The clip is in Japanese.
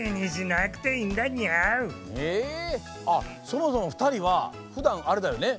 そもそもふたりはふだんあれだよね